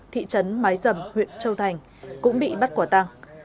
thị trấn mái dầm huyện châu thành cũng bị bắt quả tăng